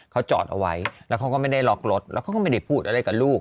เขาจอดเอาไว้แล้วเขาก็ไม่ได้ล็อกรถแล้วเขาก็ไม่ได้พูดอะไรกับลูก